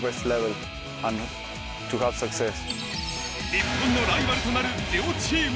日本のライバルとなる両チーム。